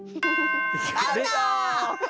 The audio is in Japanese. アウト！